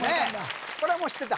これはもう知ってた？